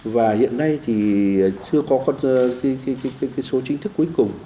và hiện nay thì chưa có con số chính thức cuối cùng